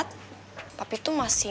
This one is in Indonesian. tapi tuh masih